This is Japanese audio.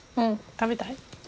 食べたい？